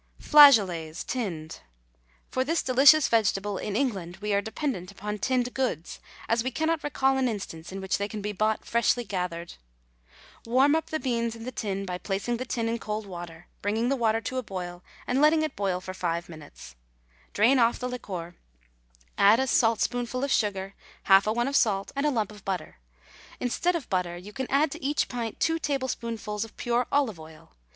FLAGEOLETS, TINNED. For this delicious vegetable, in England, we are dependent upon tinned goods, as we cannot recall an instance in which they can be bought freshly gathered. Warm up the beans in the tin by placing the tin in cold water, bringing the water to a boil, and letting it boil for five minutes. Drain off the liquor, add a saltspoonful of sugar, half a one of salt, and a lump of butter. Instead of butter, you can add to each pint two tablespoonfuls of pure olive oil.